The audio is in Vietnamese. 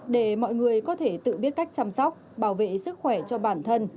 để mọi người có thể tự biết cách chăm sóc bảo vệ sức khỏe cho bản thân